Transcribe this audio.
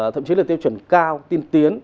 thậm chí là tiêu chuẩn cao tiên tiến